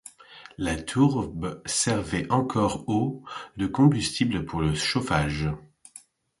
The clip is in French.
La tourbe servait encore au de combustible pour le chauffage.